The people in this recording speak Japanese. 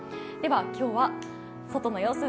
今日は外の様子